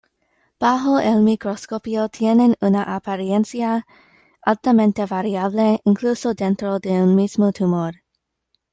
Bajo el microscopio, tienen una apariencia altamente variable, incluso dentro de un mismo tumor.